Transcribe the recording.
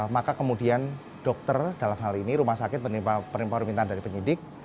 maka kemudian dokter dalam hal ini rumah sakit permintaan dari penyidik